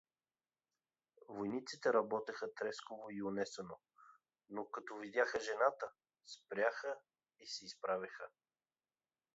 Войниците работеха трескаво и унесено, но като видяха жената, спряха и се изправиха.